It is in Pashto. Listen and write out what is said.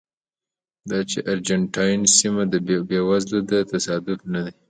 دا چې ارجنټاین سیمه بېوزله ده تصادف نه دی.